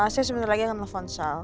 saya sebentar lagi akan nelfon saya